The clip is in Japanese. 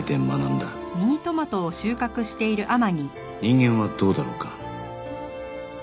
人間はどうだろうか